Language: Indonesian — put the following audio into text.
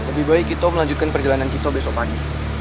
lebih baik kita melanjutkan perjalanan kita besok pagi